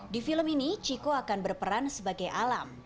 di film ini chico akan berperan sebagai alam